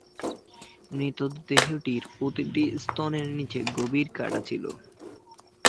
মৃতদেহটির প্রতিটি স্তনের নিচে গভীর কাটা ছিল।